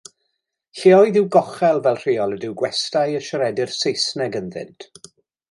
Lleoedd i'w gochel fel rheol ydyw gwestai y siaredir Saesneg ynddynt.